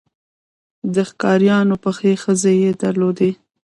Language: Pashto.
د ښکاریانو پخې خزې یې درلودې.